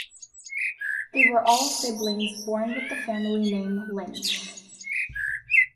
They were all siblings born with the family name Lynch.